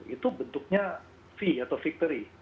itu bentuknya fee atau victory